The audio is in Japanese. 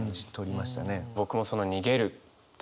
僕もその「逃げる」っていう。